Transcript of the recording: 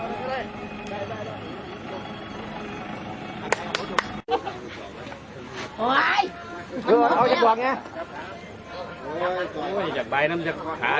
เมืองสุดท้ายต้องเชื่อเพื่อจัดการ